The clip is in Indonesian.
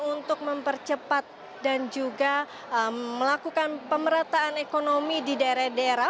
untuk mempercepat dan juga melakukan pemerataan ekonomi di daerah daerah